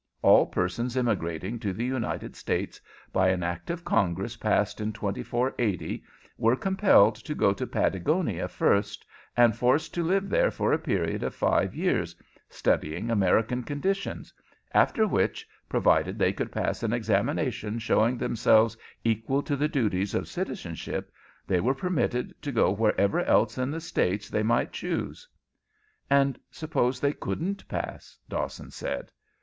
All persons immigrating to the United States, by an act of Congress passed in 2480, were compelled to go to Patagonia first, and forced to live there for a period of five years, studying American conditions, after which, provided they could pass an examination showing themselves equal to the duties of citizenship, they were permitted to go wherever else in the States they might choose." "And suppose they couldn't pass?" Dawson asked.